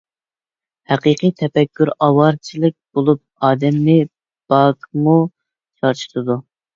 ھەقىقىي تەپەككۇر ئاۋارىچىلىك بولۇپ ئادەمنى باكمۇ چارچىتىدۇ.